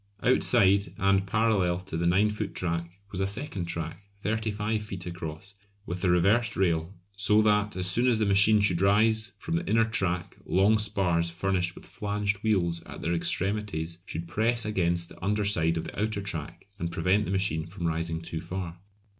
Outside and parallel to the 9 foot track was a second track, 35 feet across, with a reversed rail, so that as soon as the machine should rise from the inner track long spars furnished with flanged wheels at their extremities should press against the under side of the outer track and prevent the machine from rising too far.